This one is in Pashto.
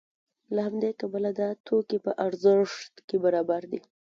له همدې کبله دا دوه توکي په ارزښت کې برابر دي